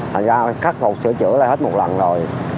thành ra cắt phục sửa chữa lại hết một lần rồi